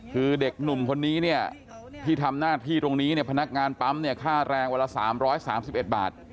คือเด็กหนุ่มคนนี้เนี่ยที่ทำหน้าที่ตรงนี้เนี่ยพนักงานปั๊มเนี่ยค่าแรงวันละ๓๓๑บาท